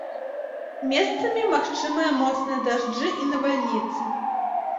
Месцамі магчымыя моцныя дажджы і навальніцы.